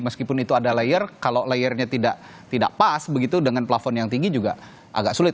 meskipun itu ada layer kalau layernya tidak pas begitu dengan plafon yang tinggi juga agak sulit